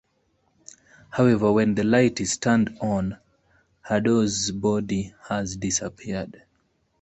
However, when the light is turned on Haddo's body has disappeared.